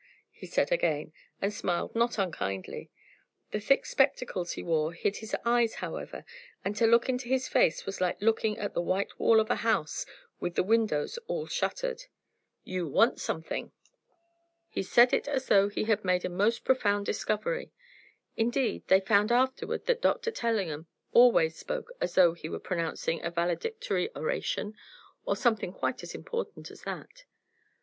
he said again, and smiled not unkindly. The thick spectacles he wore hid his eyes, however, and to look into his big face was like looking at the white wall of a house with the windows all shuttered. "You want something!" He said it as though he had made a most profound discovery. Indeed, they found afterward that Doctor Tellingham always spoke as though he were pronouncing a valedictory oration, or something quite as important as that.